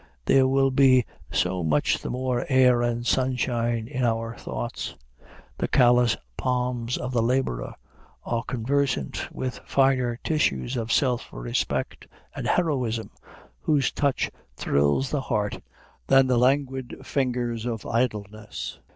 There will be so much the more air and sunshine in our thoughts. The callous palms of the laborer are conversant with finer tissues of self respect and heroism, whose touch thrills the heart, than the languid fingers of idleness.